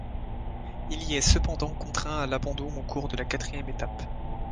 Il y est cependant contraint à l'abandon au cours de la quatrième étape.